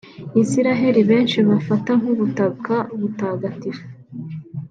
Isiraheli benshi bafata nk’ubutaka butagatifu